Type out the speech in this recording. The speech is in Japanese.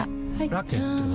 ラケットは？